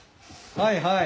はいはい。